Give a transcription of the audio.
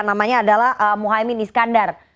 namanya adalah muhaymin iskandar